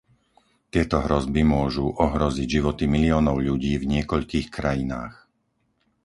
Tieto hrozby môžu ohroziť životy miliónov ľudí v niekoľkých krajinách.